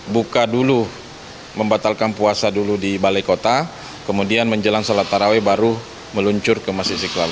buka dulu membatalkan puasa dulu di balai kota kemudian menjelang sholat taraweh baru meluncur ke masjid istiqlal